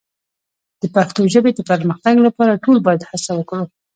د پښتو ژبې د پرمختګ لپاره ټول باید هڅه وکړو.